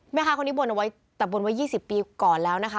แม่ค้าคนนี้บนเอาไว้แต่บนไว้๒๐ปีก่อนแล้วนะคะ